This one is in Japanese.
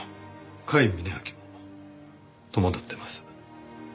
甲斐峯秋も戸惑ってます。